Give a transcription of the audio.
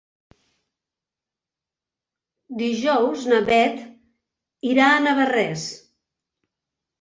Dijous na Beth irà a Navarrés.